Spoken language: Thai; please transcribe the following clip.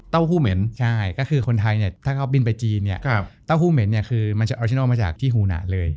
หูเหม็นใช่ก็คือคนไทยเนี่ยถ้าเขาบินไปจีนเนี่ยเต้าหู้เหม็นเนี่ยคือมันจะออจินัลมาจากที่ฮูหนาเลย